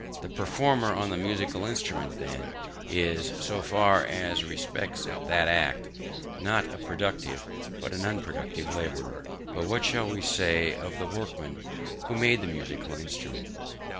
The performer on the musical instrument then is, so far as respects that act, not a productive, but an unproductive labourer. But what shall we say of the workman who made the musical instrument?